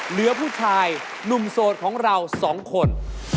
เหลือผู้ชายหนุ่มโสดของเราสองคน